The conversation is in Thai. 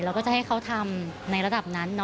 เราก็จะให้เขาทำในระดับนั้น